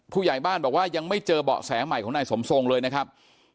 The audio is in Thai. ผู้ใหญ่บ้านบอกว่ายังไม่เจอเบาะแสใหม่ของนายสมทรงเลยนะครับ